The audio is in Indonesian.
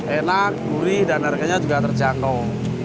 enak gurih dan harganya juga terjangkau